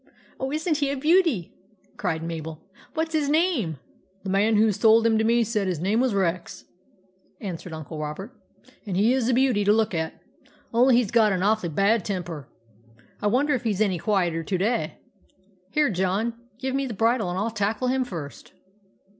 "Oh, isn't he a beauty!" cried Mabel. "What's his name?" " The man who sold him to me said his name was Rex," answered Uncle Robert ;" and he is a beauty to look at ; only he 's got an awfully bad temper. I wonder if he s any quieter to day. Here, John, give me the bridle and I '11 tackle him first."